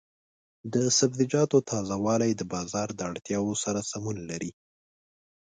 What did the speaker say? د سبزیجاتو تازه والي د بازار د اړتیاوو سره سمون لري.